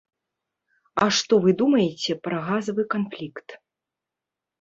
А што вы думаеце пра газавы канфлікт?